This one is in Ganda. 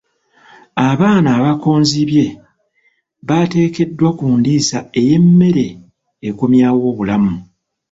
Abaana abakonzibye baateekeddwa ku ndiisa ey'emmere ekomyawo obulamu.